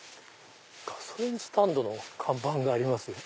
ガソリンスタンドの看板がありますよ。